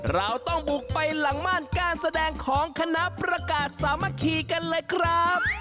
เราต้องบุกไปหลังม่านการแสดงของคณะประกาศสามัคคีกันเลยครับ